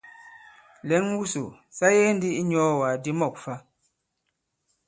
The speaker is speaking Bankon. Lɛ̌n wusò sa yege ndī i inyɔ̄ɔwàk di mɔ̂k fa.